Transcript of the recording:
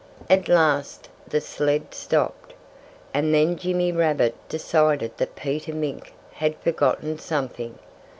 At last the sled stopped. And then Jimmy Rabbit decided that Peter Mink had forgotten something.